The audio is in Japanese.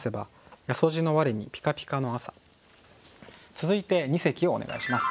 続いて二席をお願いします。